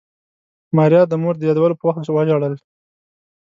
ماريا د مور د يادولو په وخت وژړل.